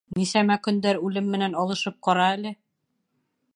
Нисәмә көндәр үлем менән алышып ҡара әле?